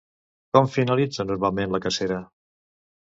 Com finalitza, normalment, la cacera?